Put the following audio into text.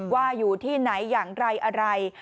ว่าอยู่ที่ไหนอย่างไรอะไร